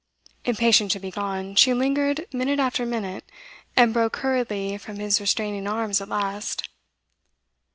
Impatient to be gone, she lingered minute after minute, and broke hurriedly from his restraining arms at last.